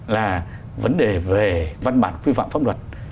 là vấn đề về văn bản quy phạm pháp luật